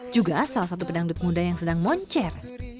juga salah satu pedangdut muda yang sedang moncer